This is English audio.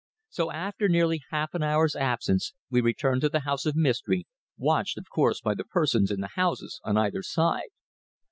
So after nearly half an hour's absence we returned to the house of mystery, watched, of course, by the persons in the houses on either side.